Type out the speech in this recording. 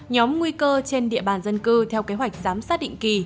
nhóm nguy cơ trên địa bàn dân cư theo kế hoạch giám sát định kỳ